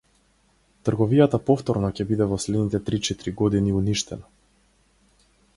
Трговијата повторно ќе биде во следните три-четири години уништена.